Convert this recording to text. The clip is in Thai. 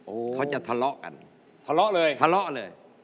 โอ้เขาจะธหล่อกันธหล่อเลย